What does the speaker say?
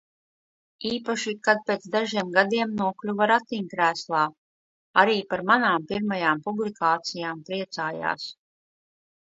Īpaši, kad pēc dažiem gadiem nokļuva ratiņkrēslā. Arī par manām pirmajām publikācijām priecājās.